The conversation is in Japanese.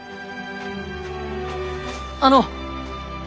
あの！